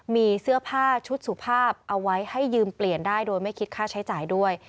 มีเสื้อผ้าชุดสุภาพเอาไว้ให้ยืมเปลี่ยนได้โดยไม่คิดค่าใช้จ่ายด้วย